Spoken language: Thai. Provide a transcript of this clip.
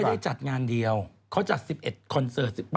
เขาไม่ได้จัดงานเดียวเขาจัด๑๑โควรโซครก